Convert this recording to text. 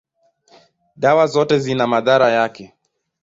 dawa zote zina madhara yake.